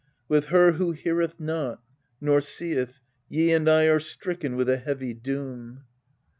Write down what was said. With her who heareth not, nor seeth : ye And I are stricken with a heavy doom.